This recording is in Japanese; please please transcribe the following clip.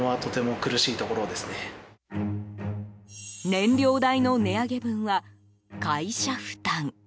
燃料代の値上げ分は会社負担。